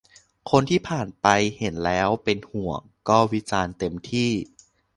คนที่ผ่านไปเห็นแล้วเป็นห่วง ก็วิจารณ์เต็มที่